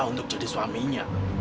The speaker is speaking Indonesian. untuk jadi suaminya